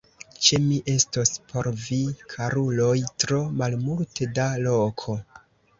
Ĉe mi estos por vi, karuloj, tro malmulte da loko!